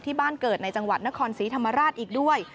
ที่บ้านเกิดในจังหวัดนครศรีธรรมราชอีกด้วย